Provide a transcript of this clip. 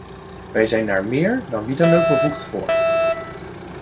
We zijn daar meer dan wie ook bevoegd voor.